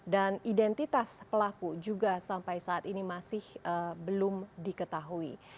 dan identitas pelaku juga sampai saat ini masih belum diketahui